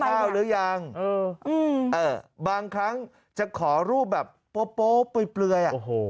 ชอบกินข้าวหรือยังบางครั้งจะขอรูปแบบโป๊ะโป๊ะเปลื่อย